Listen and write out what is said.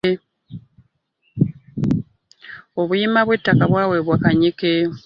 Obuyima bw’ettaka bwaweebwa Kanyike.